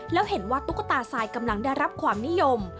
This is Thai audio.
แล้วเห็นว่าตุ๊กตาทรายกำลังได้รับความนิยม